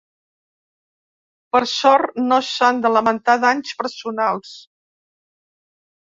Per sort no s’han de lamentar danys personals.